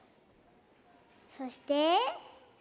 そして「辰」！